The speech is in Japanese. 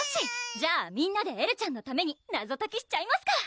じゃあみんなでエルちゃんのために謎ときしちゃいますか！